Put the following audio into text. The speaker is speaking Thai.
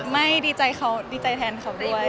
ไม่ดีใจเขาดีใจแทนเขาด้วย